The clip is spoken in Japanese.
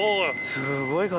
すごい数。